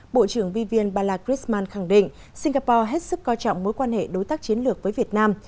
bộ trưởng vivian bala griezmann khẳng định singapore hết sức co trọng mối quan hệ đối tác chiến lược với việt nam